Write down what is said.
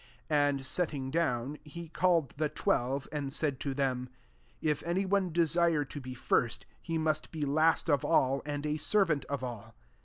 35 And setting down, he called the twelve, and said to them, " If any one desire to be first, he must be last of all, and a servant of all."